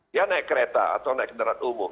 dia naik kereta atau naik kendaraan umum